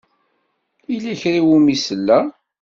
Yella kra i wumi selleɣ.